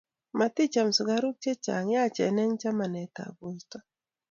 maticham sukaruk che chang', yachen eng' chamanetab borto